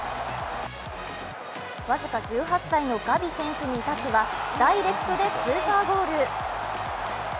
僅か１８歳のガビ選手に至ってはダイレクトでスーパーゴール。